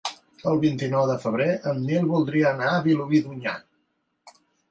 El vint-i-nou de febrer en Nil voldria anar a Vilobí d'Onyar.